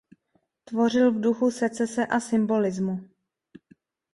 Tvořil v duchu secese a symbolismu.